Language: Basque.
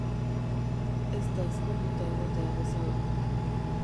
Ez da ezkonduta egotea bezala.